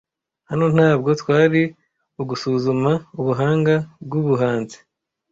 Hano ntabwo kwari ugusuzuma ubuhanga bwubuhanzi